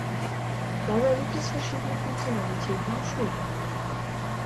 Dabei gibt es verschiedene Funktionalitäten und Stufen.